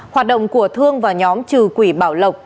hoạt động của thương và nhóm trừ quỷ bảo lộc